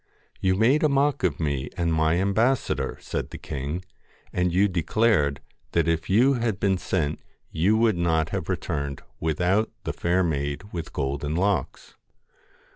'You made a mock of me and my ambassador,' said the king, 'and you declared that if you had been sent you would not have returned without the fair maid with golden locks.'